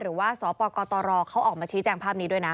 หรือว่าสปกตรเขาออกมาชี้แจงภาพนี้ด้วยนะ